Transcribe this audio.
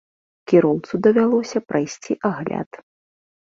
Кіроўцу давялося прайсці агляд.